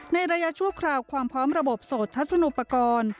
ระยะชั่วคราวความพร้อมระบบโสดทัศนุปกรณ์